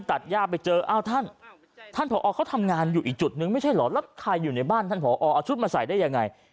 ตัดยาไปเจอท่านผอเค้าทำงานอยู่อีกจุดนะแหละใครในบ้านเอาชุดมาใส่ได้อย่างไร